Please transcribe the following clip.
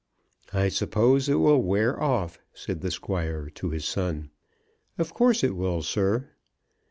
"I suppose it will wear off," said the Squire to his son. "Of course it will, sir."